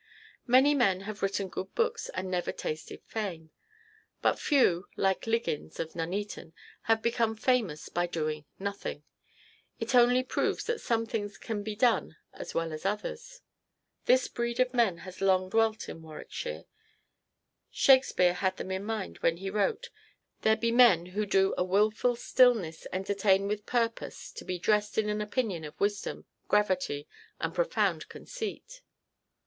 Many men have written good books and never tasted fame; but few, like Liggins of Nuneaton, have become famous by doing nothing. It only proves that some things can be done as well as others. This breed of men has long dwelt in Warwickshire; Shakespeare had them in mind when he wrote, "There be men who do a wilful stillness entertain with purpose to be dressed in an opinion of wisdom, gravity and profound conceit."